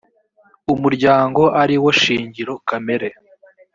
umuryango ari wo shingiro kamere